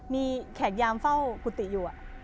มีแขกยามเฝ้ากุฏิอยู่